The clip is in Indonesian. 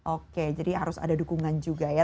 oke jadi harus ada dukungan juga ya